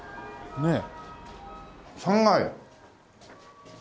ねえ。